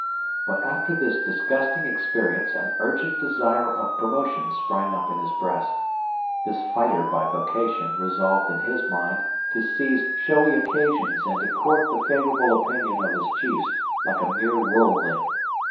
But after this disgusting experience an urgent desire of promotion sprang up in his breast. This fighter by vocation resolved in his mind to seize showy occasions and to court the favourable opinion of his chiefs like a mere worldling.